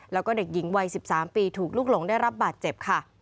แล้วก็เด็กหญิงวัย๑๓ปีถูกลูกหลงได้รับบาดเจ็บค่ะ